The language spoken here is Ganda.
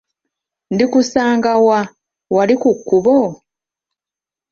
Ndikusanga wa, wali ku kkubo?